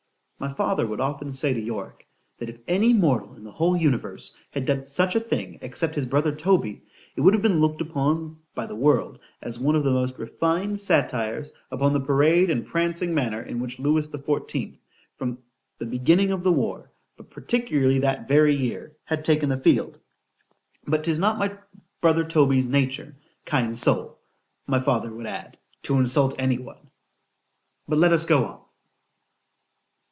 My father would often say to Yorick, that if any mortal in the whole universe had done such a thing except his brother Toby, it would have been looked upon by the world as one of the most refined satires upon the parade and prancing manner in which Lewis XIV. from the beginning of the war, but particularly that very year, had taken the field——But 'tis not my brother Toby's nature, kind soul! my father would add, to insult any one. ——But let us go on.